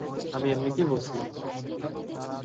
আমি এমনিতেই বলছিলাম।